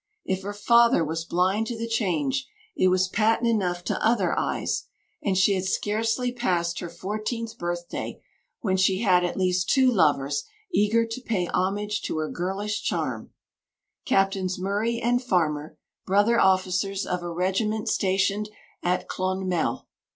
If her father was blind to the change, it was patent enough to other eyes; and she had scarcely passed her fourteenth birthday when she had at least two lovers eager to pay homage to her girlish charm Captains Murray and Farmer, brother officers of a regiment stationed at Clonmel.